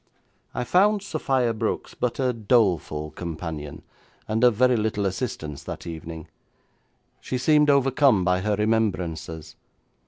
I found Sophia Brooks but a doleful companion, and of very little assistance that evening. She seemed overcome by her remembrances.